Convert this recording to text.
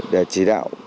để chỉ đạo